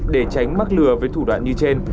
để tránh mắc lừa với thủ đoạn như trên